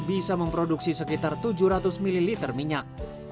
bisa memproduksi sekitar tujuh ratus ml minyak